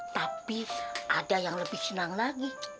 tapi ada yang lebih senang lagi